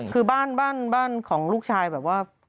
คือบ้านบ้านของลูกชายแบบว่า